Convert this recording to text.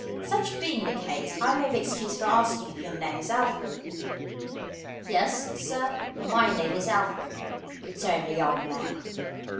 "Such being the case, I may be excused for asking you if your name's Alfred?" "Yes, sir, my name is Alfred," returned the young man.